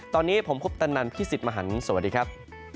ตอนนี้ผมคุณพุทธนันทร์พี่สิทธิ์มหันสวัสดีครับ